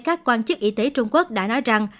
các quan chức y tế trung quốc đã nói rằng